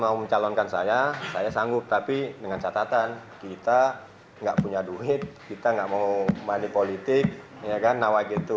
mau mencalonkan saya saya sanggup tapi dengan catatan kita nggak punya duit kita nggak mau money politik ya kan nawa gitu